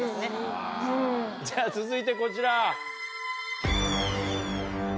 じゃ続いてこちら。